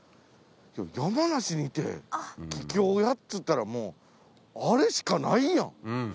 山梨にいて「ききょうや」っつったらもうあれしかないやん。